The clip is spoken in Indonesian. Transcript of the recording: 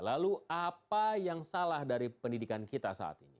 lalu apa yang salah dari pendidikan kita saat ini